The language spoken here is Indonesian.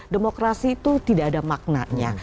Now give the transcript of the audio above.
demokrasi itu tidak ada maknanya